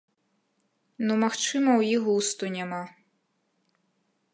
Ну, магчыма, у іх густу няма.